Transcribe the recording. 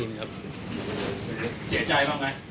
เสียใจบ้างไหม